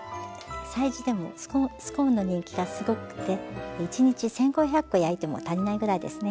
催事でもスコーンの人気がすごくて１日１，５００コ焼いても足りないぐらいですね。